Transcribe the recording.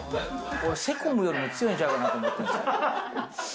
これセコムよりも強いんじゃないかなって思ってるんですよ。